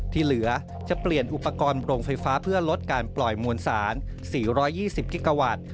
ที่เหลือจะเปลี่ยนอุปกรณ์โรงไฟฟ้าเพื่อลดการปล่อยมวลสาร๔๒๐กิกาวัตต์